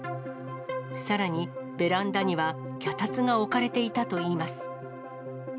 さらに、ベランダには脚立が置かれていたといいます。